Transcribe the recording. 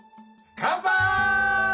乾杯！